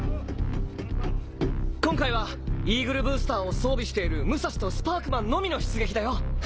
２鵑イーグルブースターを装備しているムサシとスパークマンのみの出撃だよ。